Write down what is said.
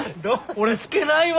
俺吹けないわ。